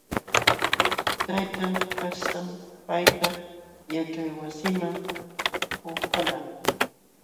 Taytan kastam payta yaćhaywasiman puhalqa.